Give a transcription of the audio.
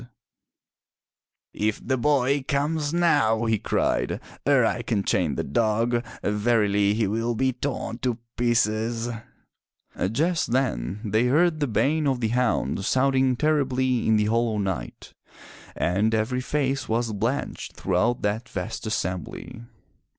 406 FROM THE TOWER WINDOW "If the boy comes now/* he cried, "ere I can chain the dog, verily he will be torn to pieces/* Just then they heard the baying of the hound sounding terribly in the hollow night and every face was blanched throughout that vast assembly.